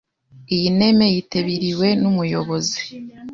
Iyi neme yitebiriwe n’umuyobozi